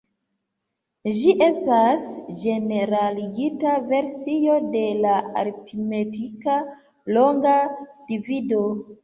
Ĝi estas ĝeneraligita versio de la aritmetika longa divido.